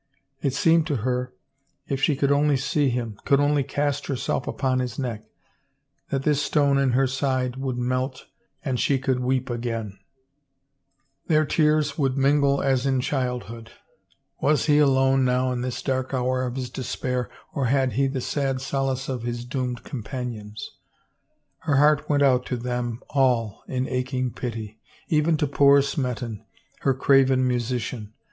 It seemed to her if she could only see him, could only cast herself upon his neck, that this stone in her side would melt and she could weep again. Their tears 366 THE NUMBERED HOURS would mingle as in childhood. ... Was he alone now in this dark hour of his despair or had he the sad solace of his doomed companions ? Her heart went out to them all in aching pity ; even to poor Smeton, her craven musi cian.